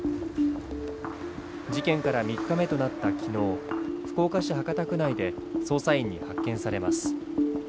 事件から３日目となった昨日、福岡市博多区内で捜査員に発見されます。